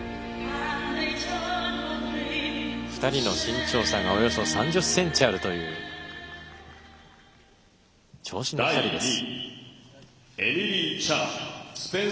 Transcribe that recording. ２人の身長差がおよそ３０ｃｍあるという長身の２人です。